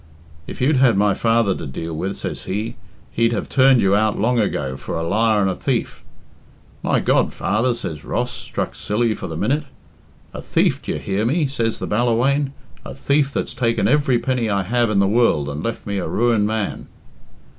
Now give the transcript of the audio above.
"'If you'd had my father to deal with,' says he, 'he'd have turned you out long ago for a liar and a thief.' 'My God, father,' says Ross, struck silly for the minute. 'A thief, d'ye hear me?' says the Ballawhaine; 'a thief that's taken every penny I have in the world, and left me a ruined man.'"